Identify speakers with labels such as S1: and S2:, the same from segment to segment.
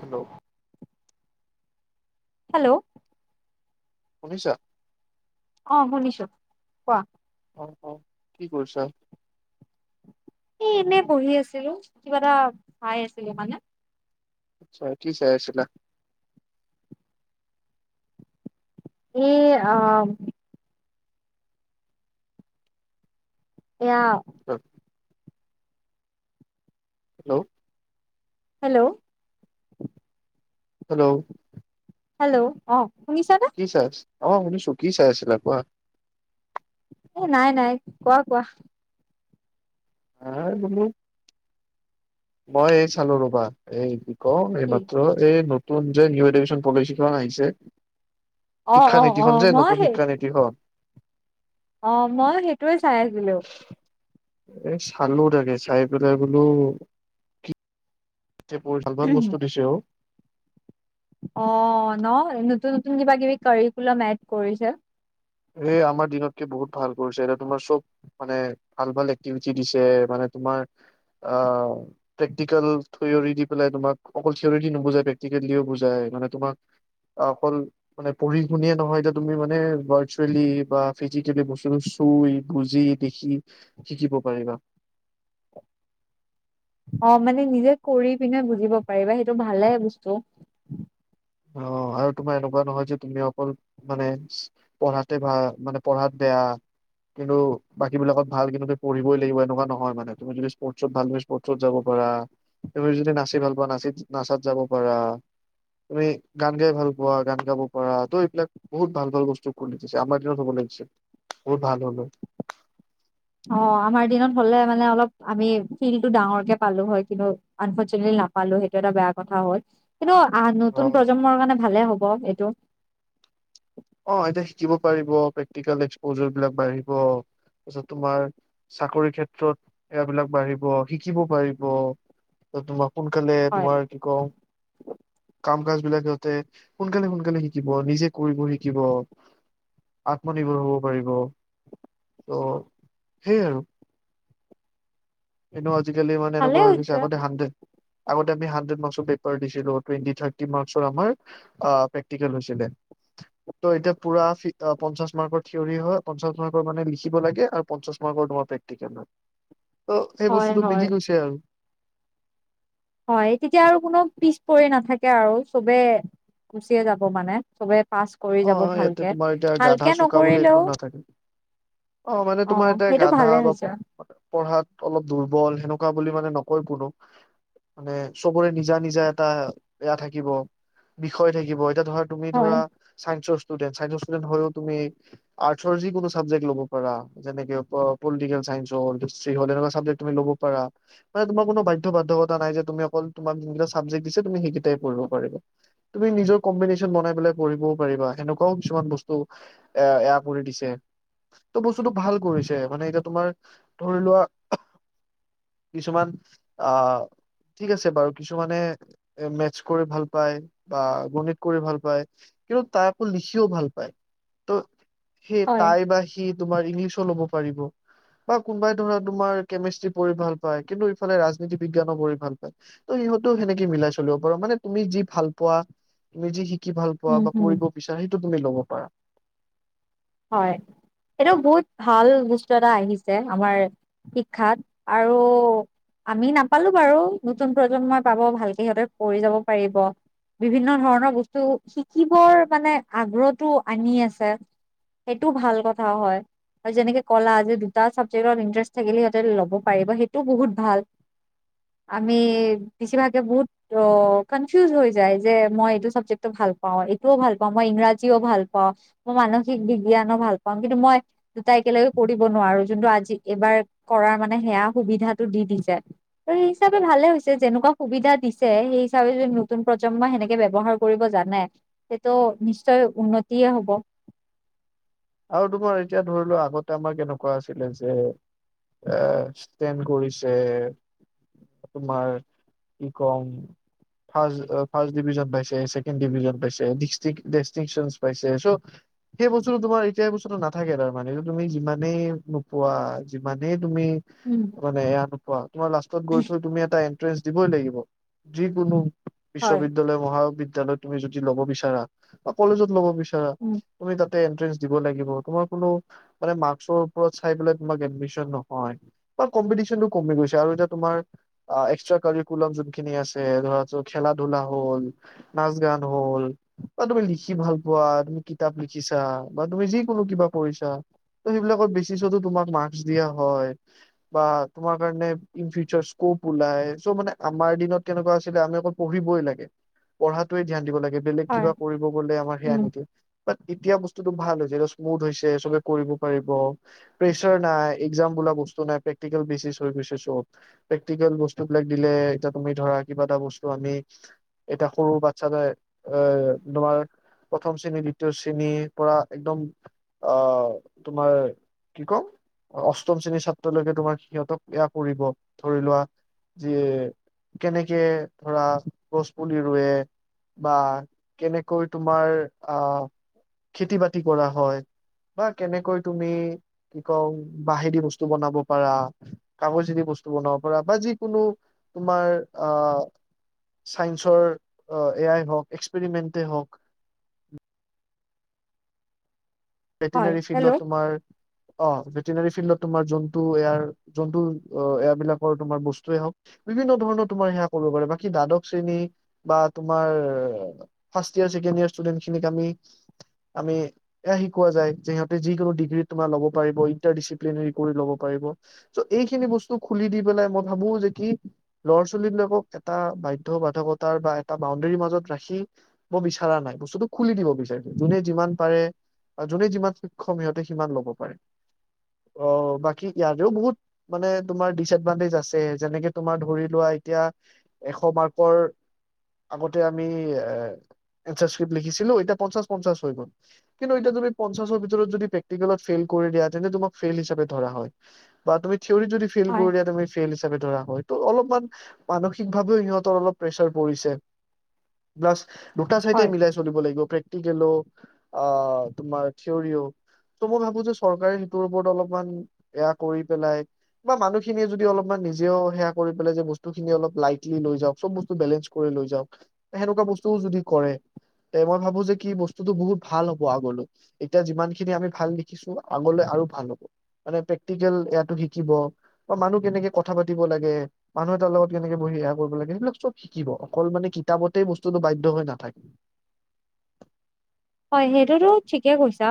S1: Hello.
S2: Hello.
S1: শুনিছা?
S2: অ শুনিছো কোৱা।
S1: অ অ কি কৰিছা?
S2: এ এনে বহি আছিলো কিবা এটা চাই আছিলো মানে।
S1: কি চাই আছিলা?
S2: এ আ এয়াও
S1: [unintelligible] হেল্ল'।
S2: হেল্ল'।
S1: হেল্ল'।
S2: হেল্ল' অ। শুনিছানে
S1: কি চাইছ অ শুনিছো কি চাই আছিলা কোৱা।
S2: এ নাই নাই কোৱা কোৱা।
S1: নাই বোলো, মই এই চালো ৰ'বা এই ক
S2: কি
S1: এইমাত্ৰ, এই নতুন যে নিউ এডুকেচন পলিচিখন আহিছে।
S2: অ অ অ
S1: শিক্ষানীতিখন যে
S2: মই
S1: নতুন
S2: সেই
S1: শিক্ষানীতিখন।
S2: অ মইও সেইটোৱে চাই আছিলো।
S1: এই চালো তাকে চাই পেলায় বোলো ভাল ভাল বস্তু দিছে অ।
S2: অ ন নতুন নতুন কিবা কিবি কাৰিকুলাম এড কৰিছে।
S1: এ আমাৰ দিনতকে বহুত ভাল কৰিছে এতিয়া তোমাৰ চব মানে ভাল ভাল এক্টিভিটি দিছে মানে তোমাৰ অ প্ৰেক্টিকেল থিয়ৰি দি পেলাই তোমাক অকল থিয়ৰি দি নুবুজাই প্ৰেক্টিকেল দিও বুজাই মানে তোমাক অকল মানে পঢ়ি শুনিয়ে নহয় এতিয়া তুমি মানে ইম'ষ্টলি বা ফিজিকেলী বস্তুটো চুই, বুজি, দেখি শিকিব পাৰিবা।
S2: অ মানে নিজে কৰি কিনে বুজিব পাৰিবা সেইটো ভালে বস্তু।
S1: অ আৰু তোমাৰ এনেকুৱা নহয় যে তুমি অকল মানে পঢ়াতে ভাল মানে পঢ়াত বেয়া কিন্তু বাকী বিলাকত ভাল কিন্তু তুমি পঢ়িবই লাগিব এনেকুৱা নহয় মানে তুমি যদি স্পৰ্টছত ভাল স্পৰ্টছত যাব পাৰা তুমি যদি নাচি ভাল পোৱা নাচিত নাচাত যাব পাৰা। তুমি গান গাই ভাল পোৱা গান গাব পাৰা তো এইবিলাক বহুত ভাল ভাল বস্তু ওপৰত লিখিছে। আমাৰ দিনত হ'ব লাগিছিল বহুত ভাল হ'ল হয়।
S2: অ আমাৰ দিনত হ'লে মানে অলপ আমি ফিল্ডটো ডাঙৰকে পালোঁ হয় কিন্তু আনফৰ্চুনেটলি নাপালো সেইটো এটা বেয়া কথা হ'ল। কিন্তু আ
S1: অ
S2: নতুন প্ৰজন্মৰ কাৰণে ভালে হ'ব এইটো।
S1: অ এতিয়া শিকিব পাৰিব প্ৰেক্টিকেল এক্সপ'জাৰ বিলাক বাঢ়িব। তাৰ পিছত তোমাৰ চাকৰি ক্ষেত্ৰত এয়া বিলাক বাঢ়িব, শিকিব পাৰিব। তোমাৰ সোনকালে
S2: হয়
S1: তোমাৰ কি কওঁ কাম -কাজ বিলাক সিঁহতে সোনকালে সোনকালে শিকিব নিজে কৰিব শিক শিকিব আত্মনিৰ্ভৰ হ'ব পাৰিব। ত' সেই আৰু। এনেও আজিকালি মানে
S2: ভালে
S1: এনেকুৱা হৈ গৈছে
S2: হৈছে
S1: আগতে হাণ্ড্ৰেড। আগতে আমি হাণ্ড্ৰেড মাৰ্ক্সৰ পেপাৰ দিছিলো টুৱেটি থাৰ্টি মাৰ্ক্সৰ আমাৰ অ প্ৰেক্টিকেল হৈছিলে। ত' এতিয়া পুৰা পঞ্চাশ মাৰ্কৰ থিয়ৰৰি হয় পঞ্চাশ মাৰ্কৰ মানে লিখিব লাগে, আৰু পঞ্চাশ মাৰ্কৰ তোমাৰ পে সেইকাৰণে ত' সেই
S2: হয়
S1: বস্তুতটো
S2: হয়
S1: মিলি গৈছে আৰু।
S2: হয় তেতিয়া আৰু কোনো পিছ পৰি নাথাকে আৰু চ'বে গুচিয়ে যাব মানে চ'বেই।
S1: অ' ইয়াতে তোমাৰ এতিয়া গাধা চুকা বুলি
S2: নকৰিলেও
S1: একো নাথাকে। অ' মানে তোমাৰ এতিয়া
S2: সেইটো
S1: গাধা
S2: ভালে
S1: বা
S2: হৈছে
S1: পঢ়াত অলপ দুৰ্বল সেনেকুৱা বুলি মানে নকয় কোনো। মানে চ'বৰে নিজা নিজা এটা এয়া থাকিব বিষয় থাকিব এতিয়া ধৰ তুমি
S2: হয়
S1: ধৰা চাইন্সৰ ষ্টুডেন্ট চাইন্সৰ ষ্টুডেন্ট হয়ও তুমি আৰ্টছৰ যিকোনো ছাবজেক্ট ল'ব পাৰা। যেনেকে পলিটিকেল চাইন্স হ'ল হিষ্ট্ৰি হ'ল এনেকুৱা চাবজেক্ট তুমি ল'ব পাৰা। মানে তোমাৰ কোনো বাধ্য বাধ্যকতা নাই যে তুমি অকল তোমাক যোন কেইটা চাবজেক্ট দিছে তুমি সেই কেইটাই পঢ়িব পাৰিবা। তুমি নিজৰ কম্বিনেচন বনাই পেলাই পঢ়িবও পাৰিবা সেনেকুৱাও কিছুমান বস্তু এয়া এয়া কৰি দিছে। ত' বস্তুতটো ভাল কৰিছে, মানে এতিয়া তোমাৰ ধৰি লোৱা কিছুমান আহঁ ঠিক আছে বাৰু কিছুমানে এ মেথছ কৰি ভাল পায়, বা গণিত কৰি ভাল পায়। কিন্তু তাই আকৌ লিখিও ভাল পায়, ত' সেই
S2: হয়
S1: তাই বা সি তোমাৰ ইংলিছো ল'ব পাৰিব। বা কোনোবাই ধৰা তোমাৰ কেমিষ্ট্ৰি পঢ়ি ভাল পায়, কিন্তু ইফালে ৰাজনীতি বিজ্ঞানো পঢ়ি ভাল পায়। ত' সিহঁতো সেনেকে মিলাই চলিব পাৰো, মানে তুমি যি ভাল পোৱা তুমি যি শিকি ভাল পোৱা
S2: উম
S1: বা
S2: হম
S1: কৰিব বিচাৰা সেইটো তুমি ল'ব পাৰা।
S2: হয় এইটো বহুত ভাল বস্তু এটা আহিছে আমাৰ শিক্ষাত আৰু আমি নাপালো বাৰু নতুন প্ৰজন্মই পাব, ভালকে সিহঁতে কৰি যাব পাৰিব। বিভিন্ন ধৰণৰ বস্তু শিকিবৰ কাৰনে আগ্ৰহতো আনি আছে। সেইটো ভাল কথাও হয়। আৰু যেনেকে কলা যে দুটা ছাবজেক্টত ইণ্টাৰেষ্ট থাকিলে সিহঁতে ল'ব পাৰিব, সেইটোও বহুত ভাল। আমি বেছিভাগে বহুত ত' কনফিউজ হৈ যায় যে মই এইটো চাবজেক্টটো ভাল পাওঁ এইটোও ভাল পাওঁ মই ইংৰাজীও ভাল পাও মই মানসিক বিজ্ঞানো ভাল পাওঁ কিন্তু মই দুটাই একেলগে কৰিব নোৱাৰো যোনটো আজি এইবাৰ কৰাৰ মানে সেয়া সুবিধাটো দি দিছে। ত' সেই হিচাপে ভালে হৈছে যেনেকুৱা সুবিধা দিছে সেই হিচাপে যদি নতুন প্ৰজন্মই সেনেকে ব্যৱহাৰ কৰিব জানে সেইটো নিশ্চয় উন্নতিয়ে হ'ব।
S1: আৰু তোমাৰ এতিয়া ধৰি লোৱা আগতে আমাৰ কেনেকুৱা আছিলে যে এ ষ্টেন কৰিছে। তোমাৰ কি ক'ম ফাছ ফ্ৰাষ্ট ডিভিজন পাইছে ছে কেণ্ড ডিভিজন পাইছে ডিষ্টিক ডেষ্টিংচন পাইছে চ' সেই বস্তুটো তোমাৰ তিয়া সেই বস্তুটো নাথাকে তাৰ মানে এইটো তুমি যিমানেই নোপোৱা যিমানেই তুমি
S2: উম
S1: মানে এয়া নোপোৱা তোমাৰ লাষ্টত গৈ থৈ তুমি এটা এন্ট্ৰেন্ঞ্চ দিবই লাগিব যি কোনো
S2: হয়,
S1: বিশ্ববিদ্যালয় মহাবিদ্যলয়ত তুমি যদি ল'ব বিচাৰা, বা কলেজত লব বিচাৰা
S2: উম,
S1: তুমি তাতে এণ্ট্ৰেন্স দিব লাগিব তোমাৰ কোনো মানে মাক্সৰ ওপৰত চাই পেলাই তোমাৰ এডমিছন নহয়। বা কম্পিটিশ্যনটো কমি গৈছে আৰু এতিয়া তোমাৰ আ এক্সট্ৰা কাৰিকুলাম যোনখিনি আছে ধৰা চ খেলা ধূলা হ'ল। নাচ গান হ'ল, বা তুমি লিখি ভাল পোৱা তুমি কিতাপ লিখিছা। বা তুমি যি কোনো কিবা কৰিছা ত' সেইবিলাকত বেছি চতো তোমাক মাক্স দিয়া হয় বা তোমাৰ কাৰণে ইন ফিউচাৰ স্কোপ ওলাই চ' মানে আমাৰ দিনত কেনেকুৱা আছিলে আমি অকল পঢ়িবই লাগে পঢ়াটোৱে ধ্যান দিব লাগে বেলেগ
S2: হয়,
S1: কিবা কৰিব গলে আমাৰ সেয়া
S2: উম,
S1: নিদিয়ে বাত এতিয়া বছ স্তুটো ভাল হৈছে এইটো স্মুথ হৈছে চবে কৰিব পাৰিব প্ৰেচাৰ নাই একজাম বোলা বস্তু নাই প্ৰেক্টিকেল বেচিচ হৈ গৈছে চব প্ৰেক্টিকেল বস্তুবিলাক দিলে এতিয়া তুমি ধৰা কিবা এটা বস্তু আমি এতিয়া সৰু বাচ্ছা যায় এ তোমাৰ প্ৰথম শ্ৰেণীৰ দ্বিতীয় শ্ৰেণী পৰা একদম আহ তোমাৰ কি কম অ অষ্টম শ্ৰেণীৰ ছাত্ৰলৈকে তোমাৰ সিহঁতক এয়া পৰিব ধৰি লোৱা যিয়ে কেনেকে ধৰা গছ পুলি ৰুৱে বা কেনেকৈ তোমাৰ আ খেতি বাতি কৰা হয় বা কেনেকৈ তুমি কি কওঁ বাহেদি বস্তু বনাব পাৰা কাগজেদি বস্তু বনাব পৰা বা যিকোনো তোমাৰ আ চাইন্সৰ অ এয়াই হওঁক এস্কপিৰিমেন্তে হক
S2: হয়,
S1: ভেটিনাৰী
S2: হেল্ল'
S1: ফিল্ডত তোমাৰ অ, ভেটেনেৰী ফিল্ডত তোমাৰ যোনটো এয়াৰ যোনটো এয়াৰ বিলাকৰ তোমাৰ বস্তুৱয়ে হ'ওক। বিভিন্ন ধৰণৰ তোমাৰ সেয়া কৰিব পাৰে, বাকী দ্বাদশ শ্ৰেণী বা তোমাৰ first year second year student খিনিক আমি, আমি এয়া কোৱা যায় যে, যিকোনো ডিগ্ৰীত তোমাৰ ল'ব পাৰিব ইন্টাৰ ডিছিপ্লেন কৰি ল'ব পাৰিব। চ, এই খিনি বস্তু খুলি দি পেলাই মই ভাবো, যে কি ল'ৰা-ছোৱালী বিলাকক এটা বাধ্য বাধকতাৰ বা এটা বাউণ্ডৰীৰ মাজত ৰাখি। মই বিচৰা নাই, বস্তুটো খুলি দিব বিচাৰো, জোনে যিমান পাৰে জোনে যিমান সক্ষম সিহঁতে সিমান ল'ব পাৰে। অ, বাকী ইয়াৰেও বহুত মানে তোমাৰ ডিচ এডভাণ্টেজ আছে, যেনেকে তোমাৰ ধৰি লোৱা এতিয়া এশ মাৰ্কৰ আগতে আমি এ, এনৰ্চাচফিট লিখিছিলো এতিয়া পঞ্চাশ, পঞ্চাশ হৈ গ'ল। ত, এতিয়া তুমি পঞ্চাৰ ভিতৰত যদি প্ৰেক্টিকেল ফেইল কৰি দিয়া, তেন্তে তোমাক ফেইল হিচাপে ধৰা হয়। বা তুমি থিয়ৰি যদি ফিল
S2: হয়,
S1: কৰি দিয়া, তুমি ফেল, হিচাপে ধৰা হয়। ত, অলপমান মানসিকভাৱেও সিহঁতৰ অলপ প্ৰেচাৰ পৰিছে। প্লাছ দুটা-চাইটাই
S2: হয়,
S1: মিলাই চলিব লাগিব, প্ৰেক্টিকেলো আ, তোমাৰ থিয়ৰিও ত, মই ভাবো যে চৰকাৰে সেইটোৰ ওপৰত অলপমান এয়া কৰি পেলাই। বা মানুহখিনিয়ে যদি অলপমান নিজেও সেয়া কৰি পেলাই যে বস্তুখিনি অলপ, লাইটলি লৈ যাওঁক চ'ব বস্তু বেলেঞ্চ কৰি লৈ যাওঁক, সেনেকুৱা বস্তুও যদি কৰে। এ, মই ভাবো যে, কি বস্তুতটো বহুত ভাল হ'ব আগলৈ। এতিয়া যিমান খিনি আমি ভাল দেখিছো, আগলৈ আৰু ভাল হ'ব। মানে প্ৰেক্টিকেল এয়াতো শিকিব বা মানুহ কেনেকে কথা পাতিব লাগে। মানুহ এটাৰ লগত কেনেকে বহিয়া কৰিব লাগে, সেইবিলাক চ'ব শিকিব অকল মানে কিতাপতেই বস্তুতটো বাধ্য হৈ নাথাকে।
S2: হয়, সেইটোতো ঠিকে কৈছা।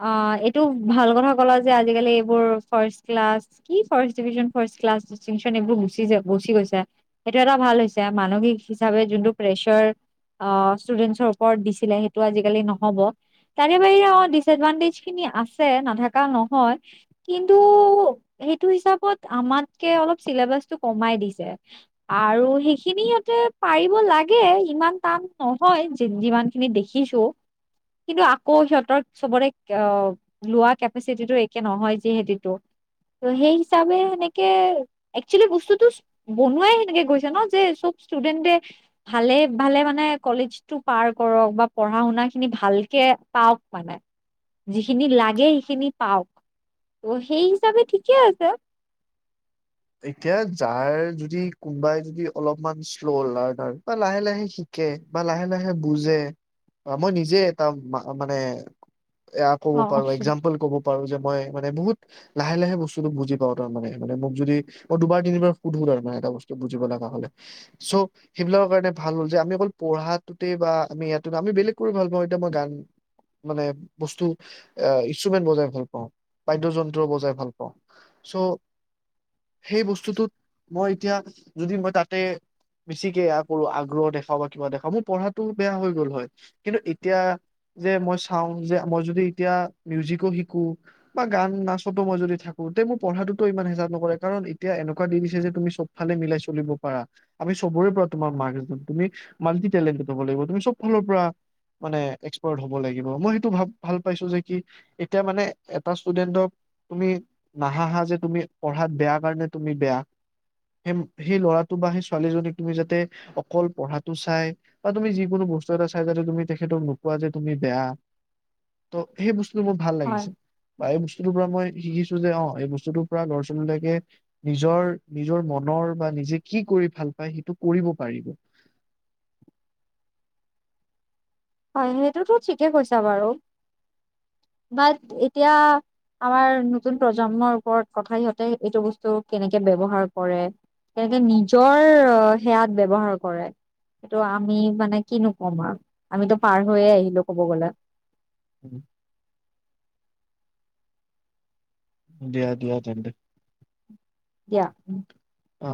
S2: অ, এইটো ভাল কথা ক'ল যে, আজিকালি এইবোৰ ফাৰ্ষ্ট ক্লাছ। কি first division, first class, distinction, এইবোৰ গুচি, গুচি গৈছে। সেইটো এটা ভাল হৈছে, মানসিক হিচাপে যোনটো প্ৰেছৰ। অ, ষ্টুডেন্টছৰ ওপৰত দিছিলে সেই আজিকালি নহ'ব তাৰে বাহিৰে অ, ডিচ এডভাণ্টেজ খিনি আছে নাথকা নহয়। কিন্তু সেইটো হিচাপত আমাতকে অলপ চিলেবাচটো কমাই দিছে। আৰু সেইখিনি সিহঁতে পাৰিব লাগে, ইমান টান নহয়। যিমান খিনি দেখি দেখিছো, কিন্তু আকৌ সিহঁতৰ চবৰে আহ, লোৱা কেপাচিটিটো একে নহয়, যিহেতো। ত, সেই হিচাপে সেনেকে, একচুৱেলি বস্তুতটো বনুৱাই সেনেকে গৈছে ন, যে চ'ব ষ্টুডেণ্টে ভালে ভালে মানে কলেজটো পাৰ কৰক বা পঢ়া-শুনা খিনি ভালকে পাওঁক মানে, যিখিনি লাগে সেইখিনি পাওঁক। অ, সেই হিচাপে ঠিকে আছে।
S1: এতিয়া যাৰ যদি, কোনোবাই যদি অলপমান শ্ল, হ'ল হয় বা লাহে, লাহে, শিকি শিকে বা লাহে লাহে বুজে বা মই নিজে এটা মা, মানে এয়া ক'ব
S2: অ
S1: পাৰো, এক্সাম্পল ক'ব পাৰো যে মই, মানে বহুত লাহে লাহে বস্তুতটো বুজি পাওঁ তাৰ মানে, মানে মোক যদি মই দুবাৰ, তিনিবাৰ সুধো তাৰমানে এটা বস্তু বুজিব লগা হ'লে চ, সেইবিলাকৰ কাৰণে ভাল হ'ল যে, আমি অকল পঢ়াতোতে বা আমি ইয়াত আমি বেলেগ কৰি ভাল পাওঁ, এতিয়া মই গান মানে বস্তু আহ, ইনষ্ট্ৰুমেন্ট বজাই ভাল পাওঁ, বাদ্য যন্ত্ৰ বজাই ভাল পাওঁ। চো সেই বস্তুটোত মই এতিয়া যদি মই তাতে বেছিকে এয়া কৰোঁ, আগ্ৰহ দেখাওঁ বা কিবা দেখাওঁ মোৰ পঢ়াটো বেয়া হৈ গ'ল হয়। কিন্তু এতিয়া যে মই চাওঁ যে মই যদি এতিয়া মিউজিকো শিকোঁ বা গান-নাচতো মই যদি থাকোঁ, তে মোৰ পঢ়াটোতটো ইমান হেঁচা নপৰে। কাৰণ এতিয়া এনেকুৱা দিন‌ হৈছে যে তুমি চব ফালে মিলাই চলিব পাৰা। আমি চবৰে পৰা তোমাৰ [unintelligible] তুমি মাল্টিটেলেন্টেড হ'ব লাগিব। তুমি চব ফালৰ পৰা মানে এক্সপাৰ্ট হ'ব লাগিব। মই সেইটো ভা-ভাল পাইছোঁ যে কি এতিয়া মানে এটা ষ্টুডেন্টক তুমি নাহাহা যে তুমি পঢ়াত বেয়া কাৰণে তুমি বেয়া। সেই সেই ল'ৰাটো বা সেই ছোৱালীজনীক তুমি যাতে অকল পঢ়াটো চাই বা তুমি যিকোনো বস্তু এটা চাই যাতে তুমি তেখেতক নোকোৱা যে তুমি বেয়া। ত' সেই বস্তুটো মোৰ ভাল
S2: হয়
S1: লাগিছে। বা এই বস্তুটোৰ পৰা মই শিকিছোঁ যে, অ এই বস্তুটোৰ পৰা ল'ৰা-ছোৱালীবিলাকে নিজৰ, নিজৰ মনৰ বা নিজে কি কৰি ভাল পায় সেইটো কৰিব পাৰিব।
S2: হয় সেইটোতো ঠিকে কৈছা বাৰু। বাত এতিয়া আমাৰ নতুন প্ৰজন্মৰ ওপৰত কথা, সিহঁতে এইটো বস্তুক কেনেকে ব্যৱহাৰ কৰে। তেনেকে নিজৰ সেয়াত ব্যৱহাৰ কৰে। সেইটো আমি মানে কি নো কম আৰু। আমিতো পাৰ হৈয়ে আহিলোঁ ক'ব গ'লে।
S1: উম্। দিয়া দিয়া তেন্তে।
S2: দিয়া, উম।
S1: অ,